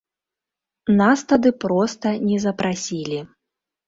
Нас тады проста не запрасілі.